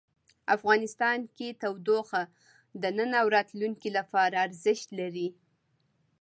افغانستان کې تودوخه د نن او راتلونکي لپاره ارزښت لري.